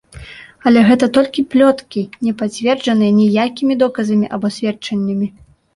Але гэта толькі плёткі, не пацверджаныя ніякімі доказамі або сведчаннямі.